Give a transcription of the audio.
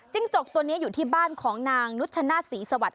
จิ้งจกตัวนี้อยู่ที่บ้านของนางนุชนาศรีสวัสดิ์